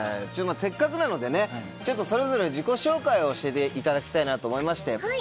せっかくなのでねそれぞれ自己紹介を教えていただきたいなと思いまして。